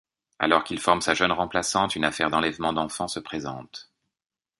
Alors qu'il forme sa jeune remplaçante, une affaire d'enlèvement d'enfant se présente.